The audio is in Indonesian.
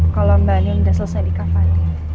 kalau mbak andien sudah selesai di kafadir